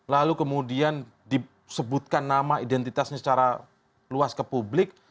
lalu kemudian disebutkan nama identitasnya secara luas ke publik